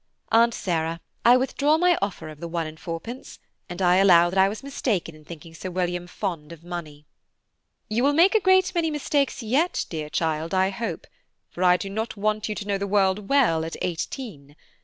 Aunt Sarah, I withdraw my offer of the one and fourpence, and I allow that I was mistaken in thinking Sir William fond of money." "You will make a great many mistakes yet, dear child, I hope; for I do not want you to know the world well at eighteen.